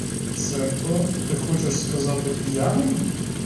Цебто ти хочеш сказати п'яним?